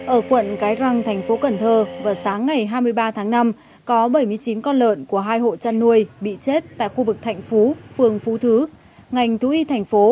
ở quận cái răng thành phố cần thơ vào sáng ngày hai mươi ba tháng năm có bảy mươi chín con lợn của hai hộ chăn nuôi bị chết tại khu vực thạnh phú phường phú thứ